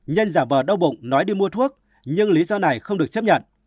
nhân giả vờ đau bụng nói đi mua thuốc nhưng lý do này không được chấp nhận